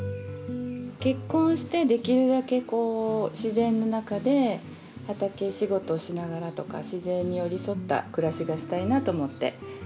結婚してできるだけこう自然の中で畑仕事しながらとか自然に寄り添った暮らしがしたいなと思って。